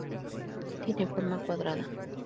Tiene forma cuadrada.